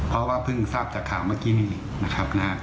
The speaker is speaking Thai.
เพราะว่าเพิ่งทราบจากข่าวเมื่อกี้นี้นะครับนะฮะ